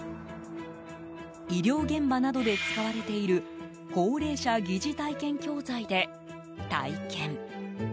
医療現場などで使われている高齢者疑似体験教材で体験。